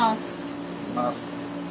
いただきます。